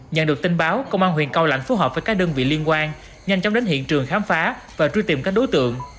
nhận được tin báo công an huyện cao lãnh phối hợp với các đơn vị liên quan nhanh chóng đến hiện trường khám phá và truy tìm các đối tượng